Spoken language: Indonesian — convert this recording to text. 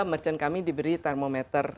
merchant kami diberi termometer